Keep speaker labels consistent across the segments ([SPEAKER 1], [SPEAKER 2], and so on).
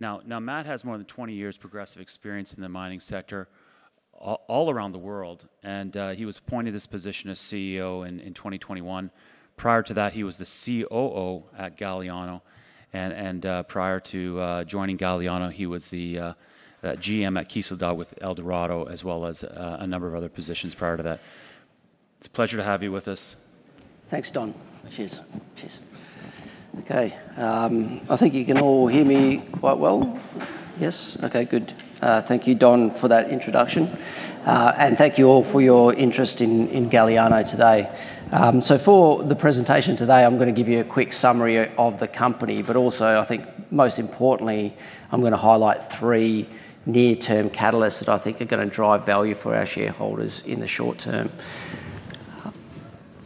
[SPEAKER 1] Now, Matt has more than 20 years progressive experience in the mining sector all around the world, and he was appointed this position as CEO in 2021. Prior to that, he was the COO at Galiano, and prior to joining Galiano, he was the GM at Kışladağ with Eldorado, as well as a number of other positions prior to that. It's a pleasure to have you with us.
[SPEAKER 2] Thanks, Don. Cheers. Okay, I think you can all hear me quite well. Yes? Okay, good. Thank you, Don, for that introduction. Thank you all for your interest in Galiano today. For the presentation today, I'm going to give you a quick summary of the company, but also, I think most importantly, I'm going to highlight three near-term catalysts that I think are going to drive value for our shareholders in the short term.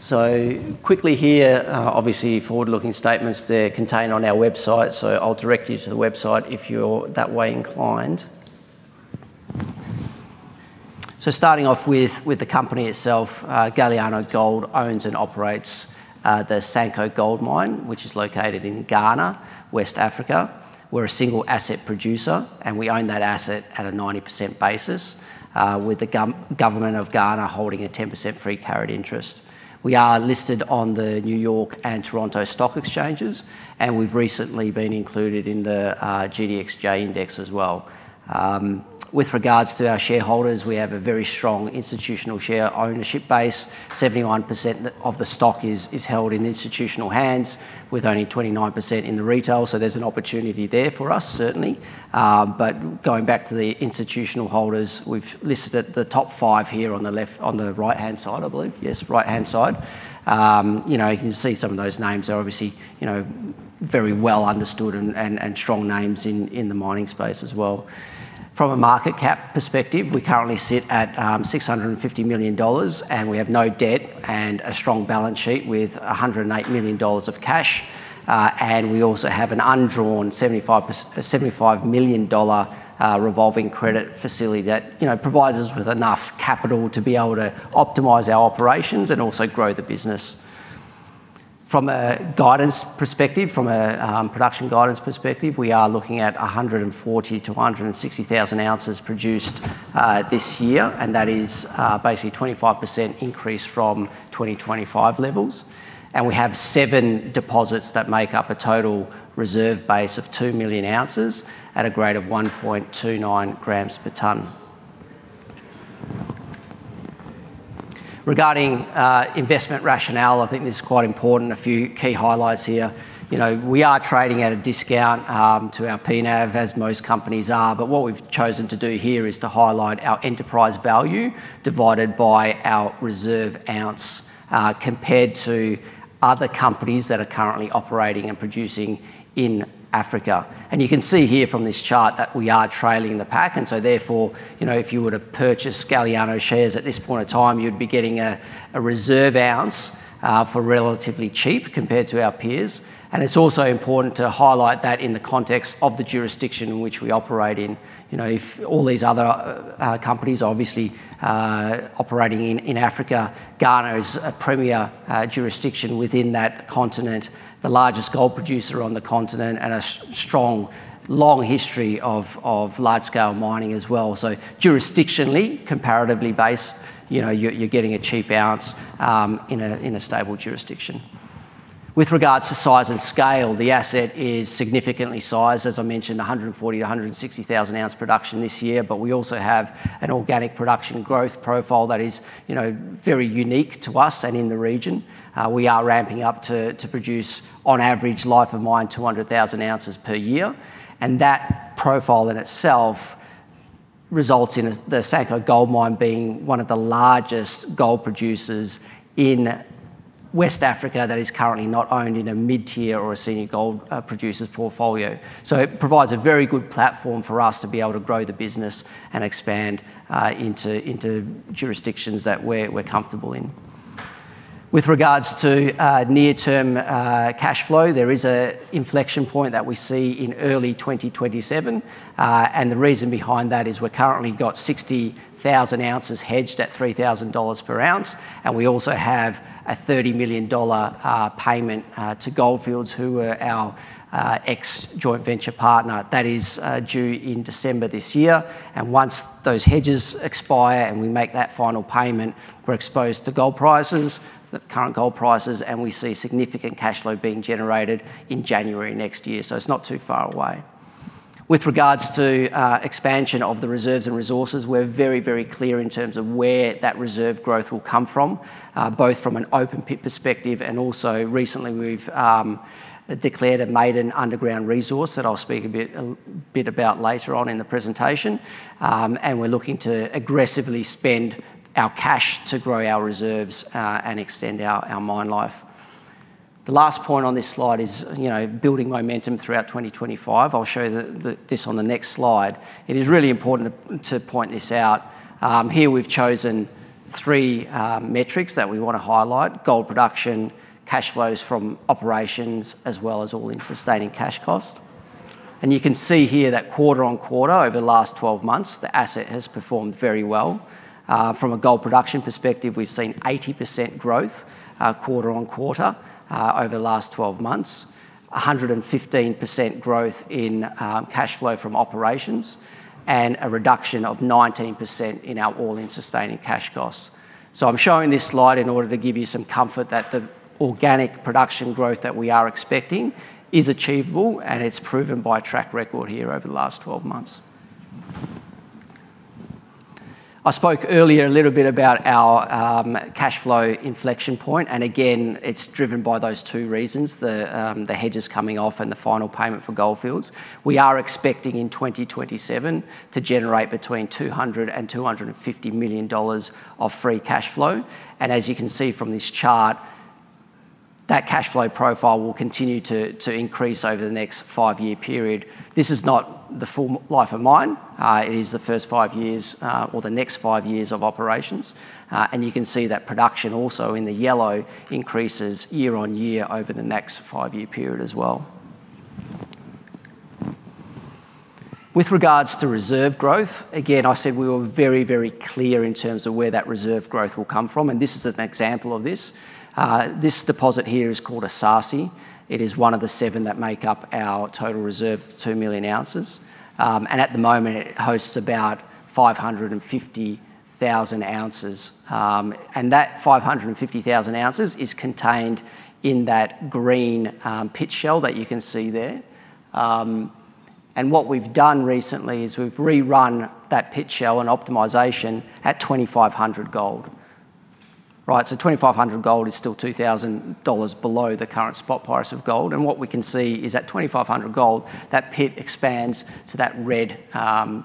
[SPEAKER 2] Quickly here, obviously, forward-looking statements, they're contained on our website, so I'll direct you to the website if you're that way inclined. Starting off with the company itself, Galiano Gold owns and operates the Asanko Gold Mine, which is located in Ghana, West Africa. We're a single asset producer, and we own that asset at a 90% basis, with the government of Ghana holding a 10% free carried interest. We are listed on the New York and Toronto Stock Exchanges, and we've recently been included in the GDXJ Index as well. With regards to our shareholders, we have a very strong institutional share ownership base. 71% of the stock is held in institutional hands with only 29% in the retail. There's an opportunity there for us certainly. Going back to the institutional holders, we've listed the top five here on the right-hand side, I believe. Yes, right-hand side. You can see some of those names are obviously very well understood and strong names in the mining space as well. From a market cap perspective, we currently sit at $650 million, and we have no debt and a strong balance sheet with $108 million of cash. We also have an undrawn $75 million revolving credit facility that provides us with enough capital to be able to optimize our operations and also grow the business. From a production guidance perspective, we are looking at 140,000-160,000 ounces produced this year, and that is basically 25% increase from 2025 levels. We have seven deposits that make up a total reserve base of two million ounces at a grade of 1.29g per tonne. Regarding investment rationale, I think this is quite important. A few key highlights here. We are trading at a discount to our P/NAV, as most companies are. What we've chosen to do here is to highlight our enterprise value divided by our reserve ounce, compared to other companies that are currently operating and producing in Africa. You can see here from this chart that we are trailing the pack, and so therefore, if you were to purchase Galiano shares at this point of time, you'd be getting a reserve ounce for relatively cheap compared to our peers. It's also important to highlight that in the context of the jurisdiction in which we operate in, if all these other companies obviously are operating in Africa, Ghana is a premier jurisdiction within that continent, the largest gold producer on the continent, and a strong, long history of large-scale mining as well. Jurisdictionally, comparatively based, you're getting a cheap ounce in a stable jurisdiction. With regards to size and scale, the asset is significantly sized. As I mentioned, 140,000-160,000-ounce production this year. We also have an organic production growth profile that is very unique to us and in the region. We are ramping up to produce, on average, life-of-mine 200,000 ounces per year. That profile in itself results in the Asanko Gold Mine being one of the largest gold producers in West Africa that is currently not owned in a mid-tier or a senior gold producer's portfolio. It provides a very good platform for us to be able to grow the business and expand into jurisdictions that we're comfortable in. With regards to near-term cash flow, there is an inflection point that we see in early 2027. The reason behind that is we currently got 60,000 ounces hedged at $3,000 per ounce, and we also have a $30 million payment to Gold Fields, who were our ex-joint venture partner. That is due in December this year. Once those hedges expire and we make that final payment, we're exposed to the current gold prices, and we see significant cash flow being generated in January next year. It's not too far away. With regards to expansion of the reserves and resources, we're very clear in terms of where that reserve growth will come from, both from an open-pit perspective and also recently we've declared a maiden underground resource that I'll speak a bit about later on in the presentation. We're looking to aggressively spend our cash to grow our reserves and extend our mine life. The last point on this slide is building momentum throughout 2025. I'll show you this on the next slide. It is really important to point this out. Here, we've chosen three metrics that we want to highlight, gold production, cash flows from operations, as well as all-in sustaining cash costs. You can see here that quarter-on-quarter over the last 12 months, the asset has performed very well. From a gold production perspective, we've seen 80% growth quarter-on-quarter over the last 12 months, 115% growth in cash flow from operations, and a reduction of 19% in our all-in sustaining cash costs. I'm showing this slide in order to give you some comfort that the organic production growth that we are expecting is achievable, and it's proven by track record here over the last 12 months. I spoke earlier a little bit about our cash flow inflection point, and again, it's driven by those two reasons, the hedges coming off and the final payment for Gold Fields. We are expecting in 2027 to generate between $200 million and $250 million of free cash flow. As you can see from this chart, that cash flow profile will continue to increase over the next five-year period. This is not the full life of mine. It is the first five years or the next five years of operations. You can see that production also in the yellow increases year-on-year over the next five-year period as well. With regards to reserve growth, again, I said we were very, very clear in terms of where that reserve growth will come from, and this is an example of this. This deposit here is called Esaase. It is one of the seven that make up our total reserve, two million ounces. At the moment, it hosts about 550,000 ounces. That 550,000 ounces is contained in that green pit shell that you can see there. What we've done recently is we've rerun that pit shell and optimization at $2,500 gold. Right. $2,500 gold is still $2,000 below the current spot price of gold. What we can see is at $2,500 gold, that pit expands to that red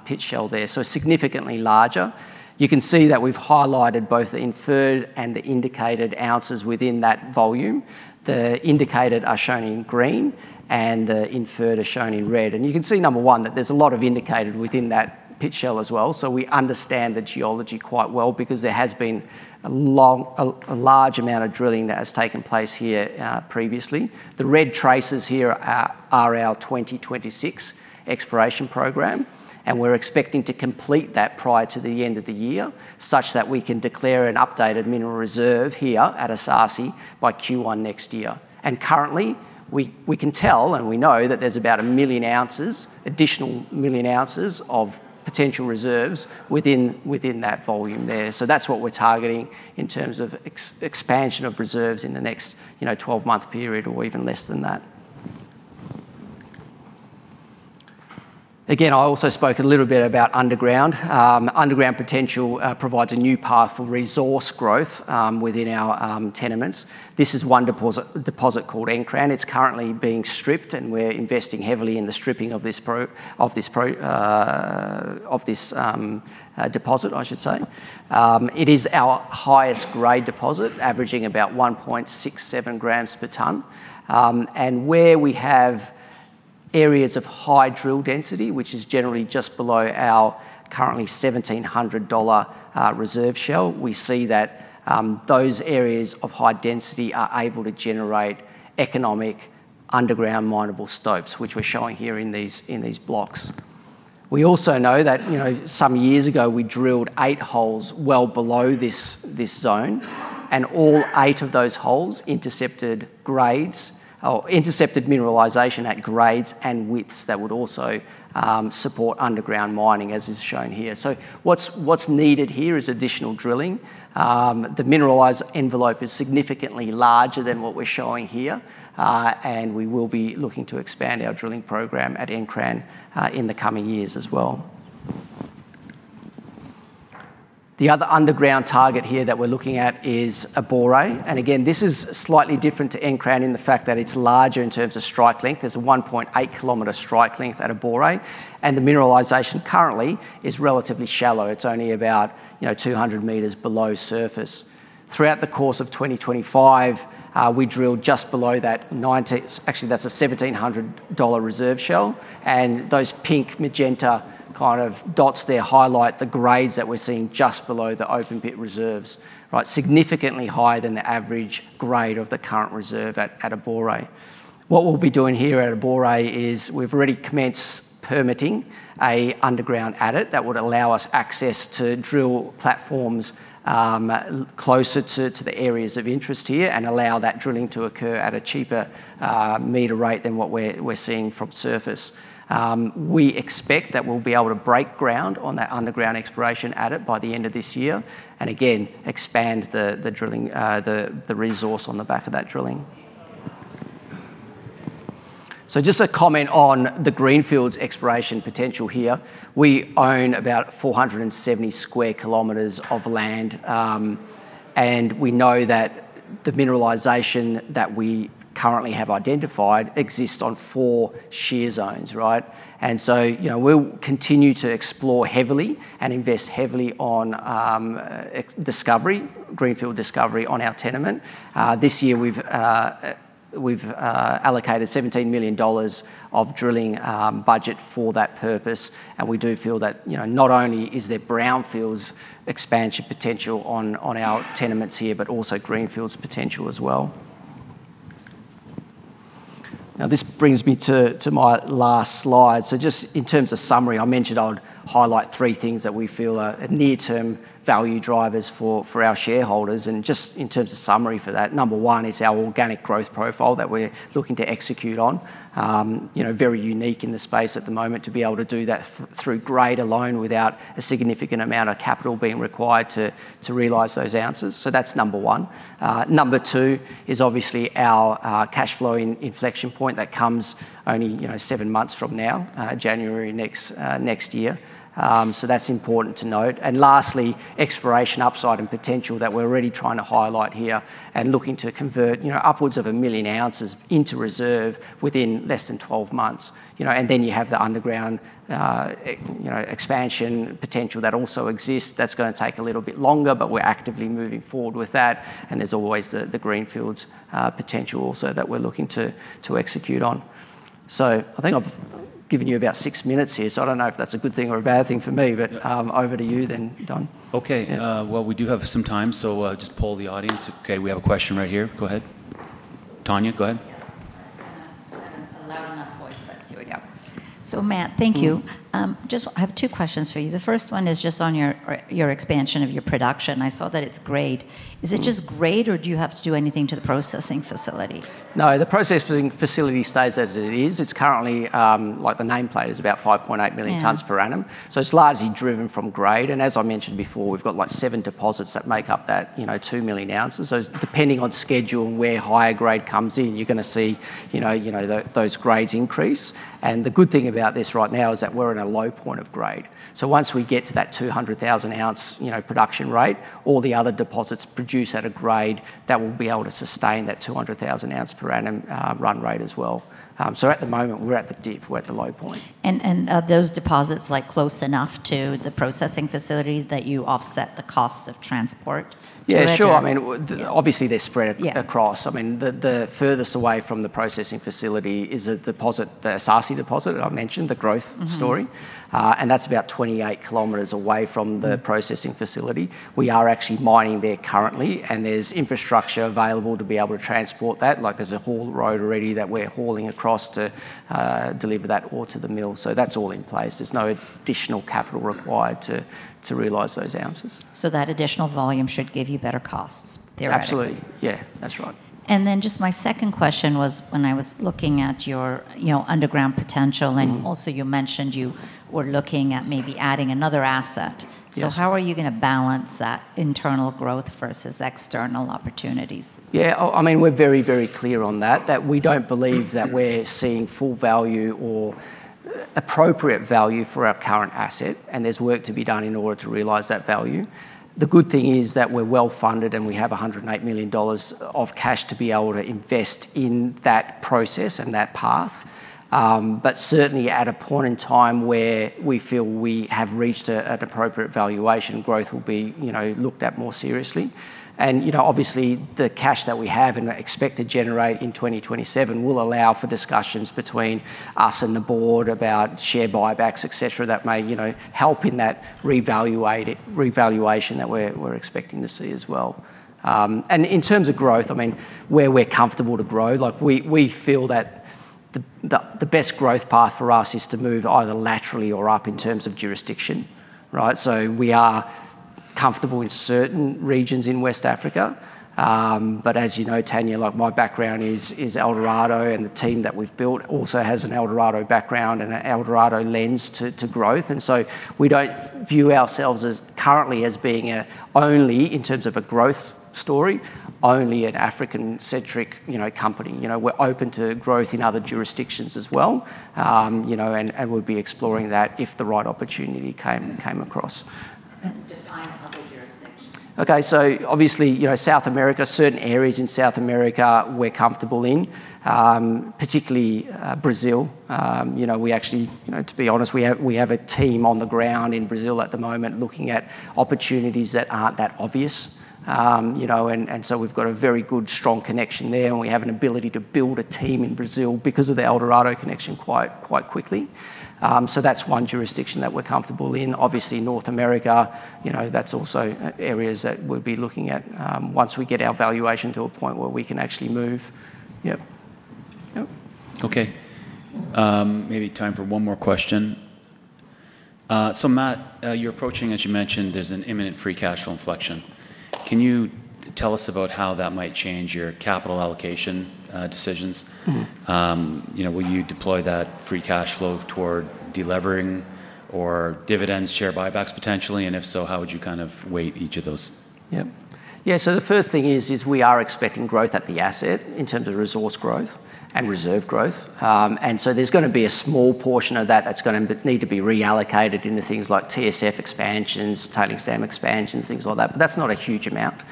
[SPEAKER 2] pit shell there, so significantly larger. You can see that we've highlighted both the inferred and the indicated ounces within that volume. The indicated are shown in green and the inferred are shown in red. You can see, number one, that there's a lot of indicated within that pit shell as well, so we understand the geology quite well because there has been a large amount of drilling that has taken place here previously. The red traces here are our 2026 exploration program, and we're expecting to complete that prior to the end of the year, such that we can declare an updated mineral reserve here at Esaase by Q1 next year. Currently, we can tell, and we know that there's about one million ounces, additional one million ounces of potential reserves within that volume there. That's what we're targeting in terms of expansion of reserves in the next 12-month period or even less than that. Again, I also spoke a little bit about underground. Underground potential provides a new path for resource growth within our tenements. This is one deposit called Nkran. It's currently being stripped, and we're investing heavily in the stripping of this deposit, I should say. It is our highest grade deposit, averaging about 1.67g per tonne. Where we have areas of high drill density, which is generally just below our currently $1,700 reserve shell, we see that those areas of high density are able to generate economic underground minable stopes, which we're showing here in these blocks. We also know that some years ago, we drilled eight holes well below this zone, and all eight of those holes intercepted grades, or intercepted mineralization at grades and widths that would also support underground mining, as is shown here. What's needed here is additional drilling. The mineralized envelope is significantly larger than what we're showing here. We will be looking to expand our drilling program at Nkran in the coming years as well. The other underground target here that we're looking at is Abore. Again, this is slightly different to Nkran in the fact that it's larger in terms of strike length. There is a 1.8 Km strike length at Abore. The mineralization currently is relatively shallow. It is only about 200 meters below surface. Throughout the course of 2025, we drilled just below that 90... Actually, that is a $1,700 reserve shell. Those pink magenta kind of dots there highlight the grades that we are seeing just below the open pit reserves. Right. Significantly higher than the average grade of the current reserve at Abore. What we will be doing here at Abore is we have already commenced permitting an underground adit that would allow us access to drill platforms closer to the areas of interest here and allow that drilling to occur at a cheaper meter rate than what we are seeing from surface. We expect that we will be able to break ground on that underground exploration adit by the end of this year, and again, expand the resource on the back of that drilling. Just a comment on the greenfields exploration potential here. We own about 470 square km of land, and we know that the mineralization that we currently have identified exists on four shear zones. Right? We'll continue to explore heavily and invest heavily on discovery, greenfield discovery on our tenement. This year, we've allocated $17 million of drilling budget for that purpose, and we do feel that not only is there brownfields expansion potential on our tenements here, but also greenfields potential as well. Now this brings me to my last slide. Just in terms of summary, I mentioned I would highlight three things that we feel are near-term value drivers for our shareholders. Just in terms of summary for that, number one is our organic growth profile that we're looking to execute on. Very unique in the space at the moment to be able to do that through grade alone without a significant amount of capital being required to realize those ounces. That's number one. Number two is obviously our cash flow inflection point that comes only seven months from now, January next year. That's important to note. Lastly, exploration upside and potential that we're already trying to highlight here and looking to convert upwards of a million ounces into reserve within less than 12 months. You have the underground expansion potential that also exists. That's going to take a little bit longer, but we're actively moving forward with that, and there's always the greenfields potential also that we're looking to execute on. I think I've given you about six minutes here, so I don't know if that's a good thing or a bad thing for me, but over to you then, Don.
[SPEAKER 1] Okay. Well, we do have some time, so just poll the audience. Okay, we have a question right here. Go ahead. Tanya, go ahead.
[SPEAKER 3] Yeah. I just don't have a loud enough voice, but here we go. Matt, thank you. Just, I have two questions for you. The first one is just on your expansion of your production. I saw that it's grade. Is it just grade, or do you have to do anything to the processing facility?
[SPEAKER 2] No, the processing facility stays as it is. It's currently, like the nameplate, is about 5.8 million tonnes per annum.
[SPEAKER 3] Yeah.
[SPEAKER 2] It's largely driven from grade. As I mentioned before, we've got like seven deposits that make up that 2 million ounces. Depending on schedule and where higher grade comes in, you're going to see those grades increase. The good thing about this right now is that we're in a low point of grade. Once we get to that 200,000 ounce production rate, all the other deposits produce at a grade that will be able to sustain that 200,000 ounce per annum run rate as well. At the moment, we're at the dip, we're at the low point.
[SPEAKER 3] Are those deposits close enough to the processing facilities that you offset the costs of transport to a degree?
[SPEAKER 2] Yeah, sure. I mean, obviously they're spread.
[SPEAKER 3] Yeah
[SPEAKER 2] Across. I mean, the furthest away from the processing facility is a deposit, the Esaase deposit that I've mentioned, the growth story. That's about 28 Km away from the processing facility. We are actually mining there currently, and there's infrastructure available to be able to transport that, like there's a haul road already that we're hauling across to deliver that ore to the mill. That's all in place. There's no additional capital required to realize those ounces.
[SPEAKER 3] That additional volume should give you better costs, theoretically?
[SPEAKER 2] Absolutely. Yeah. That's right.
[SPEAKER 3] Just my second question was when I was looking at your underground potential. Also, you mentioned you were looking at maybe adding another asset.
[SPEAKER 2] Yes.
[SPEAKER 3] How are you going to balance that internal growth versus external opportunities?
[SPEAKER 2] Yeah. I mean, we're very, very clear on that we don't believe that we're seeing full value or appropriate value for our current asset, and there's work to be done in order to realize that value. The good thing is that we're well-funded, and we have $108 million of cash to be able to invest in that process and that path. Certainly at a point in time where we feel we have reached an appropriate valuation, growth will be looked at more seriously. Obviously the cash that we have and are expected to generate in 2027 will allow for discussions between us and the Board about share buybacks, et cetera, that may help in that revaluation that we're expecting to see as well. In terms of growth, I mean, where we're comfortable to grow, we feel that the best growth path for us is to move either laterally or up in terms of jurisdiction. Right? We are comfortable with certain regions in West Africa. As you know, Tanya, my background is Eldorado, and the team that we've built also has an Eldorado background and an Eldorado lens to growth. We don't view ourselves as currently being, in terms of a growth story, only an African-centric company. We're open to growth in other jurisdictions as well. We would be exploring that if the right opportunity came across.
[SPEAKER 3] Define other jurisdictions.
[SPEAKER 2] Obviously, South America, certain areas in South America we're comfortable in. Particularly Brazil. We actually, to be honest, we have a team on the ground in Brazil at the moment looking at opportunities that aren't that obvious. We've got a very good, strong connection there, and we have an ability to build a team in Brazil because of the Eldorado connection quite quickly. That's one jurisdiction that we're comfortable in. Obviously North America, that's also areas that we'd be looking at once we get our valuation to a point where we can actually move.
[SPEAKER 1] Okay, maybe time for one more question. Matt, as you mentioned, there's an imminent free cash flow inflection. Can you tell us about how that might change your capital allocation decisions? Will you deploy that free cash flow toward de-levering or dividends, share buybacks, potentially? If so, how would you kind of weight each of those?
[SPEAKER 2] Yep. Yeah, the first thing is we are expecting growth at the asset in terms of resource growth and reserve growth. There's going to be a small portion of that that's going to need to be reallocated into things like TSF expansions, tailings dam expansions, things like that. That's not a huge amount.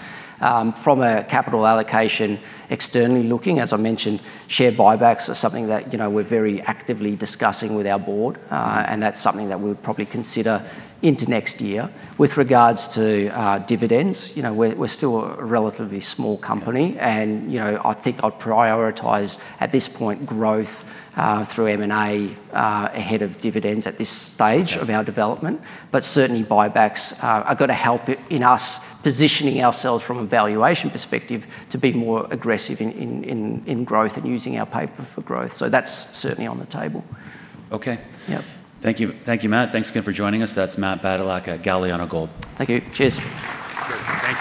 [SPEAKER 2] From a capital allocation externally looking, as I mentioned, share buybacks are something that we're very actively discussing with our Board. That's something that we would probably consider into next year. With regards to dividends, we're still a relatively small company. Yeah. I think I'd prioritize, at this point, growth through M&A ahead of dividends at this stage of our development. Okay. Certainly buybacks are going to help in us positioning ourselves from a valuation perspective to be more aggressive in growth and using our paper for growth. That's certainly on the table.
[SPEAKER 1] Okay.
[SPEAKER 2] Yep.
[SPEAKER 1] Thank you. Thank you, Matt. Thanks again for joining us. That's Matt Badylak, Galiano Gold.
[SPEAKER 2] Thank you. Cheers.
[SPEAKER 1] Cheers. Thank you.